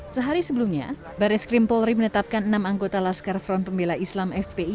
sehari sebelumnya baris krim polri menetapkan enam anggota laskar front pembela islam fpi